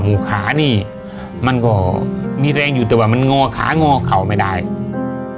มันก็ไม่แรงแรงอยู่มันไม่ได้เงาให้เขย้ม